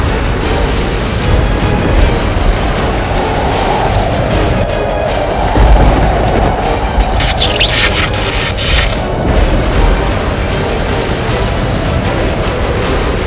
akan aku laksanakan